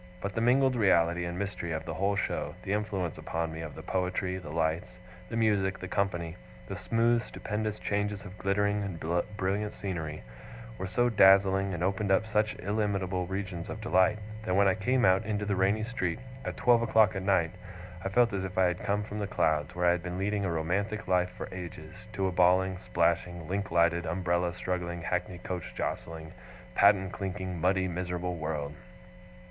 But the mingled reality and mystery of the whole show, the influence upon me of the poetry, the lights, the music, the company, the smooth stupendous changes of glittering and brilliant scenery, were so dazzling, and opened up such illimitable regions of delight, that when I came out into the rainy street, at twelve o'clock at night, I felt as if I had come from the clouds, where I had been leading a romantic life for ages, to a bawling, splashing, link lighted, umbrella struggling, hackney coach jostling, patten clinking, muddy, miserable world.